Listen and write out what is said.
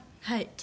はい。